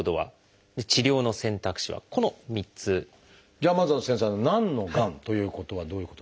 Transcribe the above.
じゃあまずは先生「何のがん」ということはどういうことでしょう？